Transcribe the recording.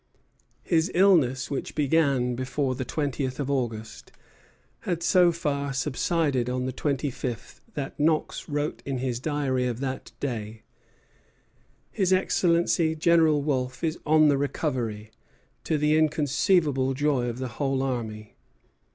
His illness, which began before the twentieth of August, had so far subsided on the twenty fifth that Knox wrote in his Diary of that day: "His Excellency General Wolfe is on the recovery, to the inconceivable joy of the whole army."